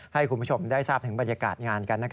ให้คุณผู้ชมได้ทราบถึงบรรยากาศงานกัน